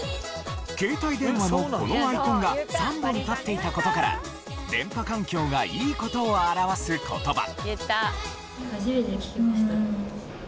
携帯電話のこのアイコンが３本立っていた事から電波環境がいい事を表す言葉。